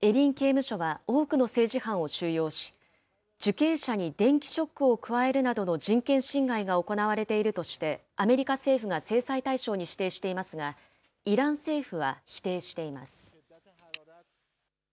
エビン刑務所は多くの政治犯を収容し、受刑者に電気ショックを加えるなどの人権侵害が行われているとして、アメリカ政府が制裁対象に指定していますが、イラン政府は否定しています。